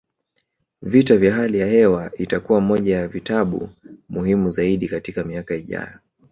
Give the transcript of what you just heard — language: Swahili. Vita vya hali ya hewa itakuwa moja ya vitabu muhimu zaidi katika miaka ijayo